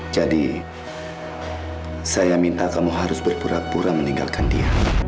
jadi saya minta kamu harus berpura pura meninggalkan dia